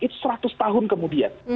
itu seratus tahun kemudian